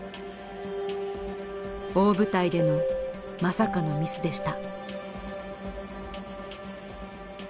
大舞台でのまさかのミスでした。